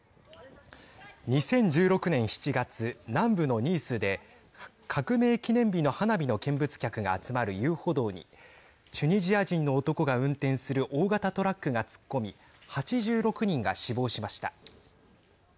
２０１６年７月南部のニースで革命記念日の花火の見物客が集まる遊歩道にチュニジア人の男が運転する大型トラックが突っ込み８６人が死亡しました。